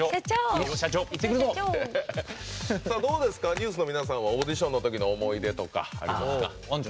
ＮＥＷＳの皆さんはオーディションのときの思い出とかありますか？